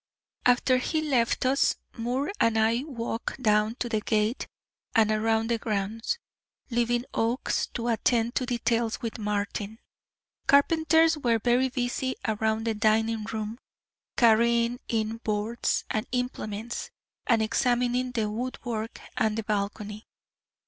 After he left us, Moore and I walked down to the gate and around the grounds, leaving Oakes to attend to details with Martin. Carpenters were very busy around the dining room, carrying in boards and implements, and examining the woodwork and the balcony.